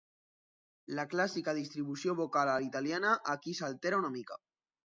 La clàssica distribució vocal a la italiana aquí s'altera una mica.